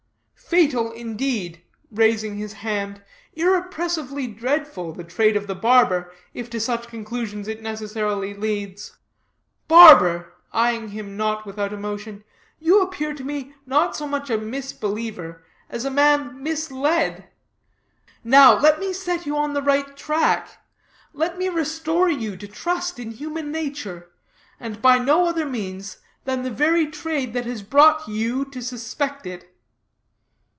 Fatal, indeed," raising his hand, "inexpressibly dreadful, the trade of the barber, if to such conclusions it necessarily leads. Barber," eying him not without emotion, "you appear to me not so much a misbeliever, as a man misled. Now, let me set you on the right track; let me restore you to trust in human nature, and by no other means than the very trade that has brought you to suspect it."